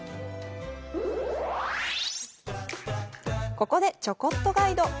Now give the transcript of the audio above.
ここでちょこっとガイド。